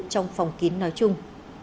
trong phòng kín nói chung